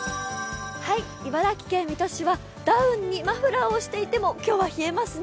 茨城県水戸市はダウンにマフラーをしていても、今日は冷えますね。